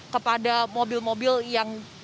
kepada mobil mobil yang diminta untuk disiagakan